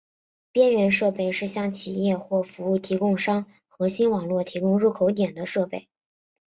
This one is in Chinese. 边缘设备是向企业或服务提供商核心网络提供入口点的设备。